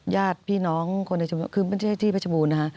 ญาติพี่น้องคนแต่ฉบูรณ์